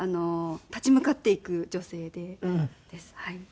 立ち向かっていく女性です。